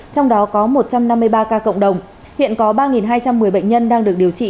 trong đó có một trăm năm mươi ba ca cộng đồng hiện có ba hai trăm một mươi bệnh nhân đang được điều trị